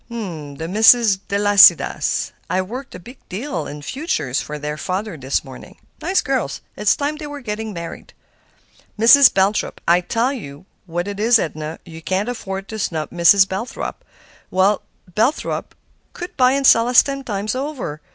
"'The Misses Delasidas.' I worked a big deal in futures for their father this morning; nice girls; it's time they were getting married. 'Mrs. Belthrop.' I tell you what it is, Edna; you can't afford to snub Mrs. Belthrop. Why, Belthrop could buy and sell us ten times over.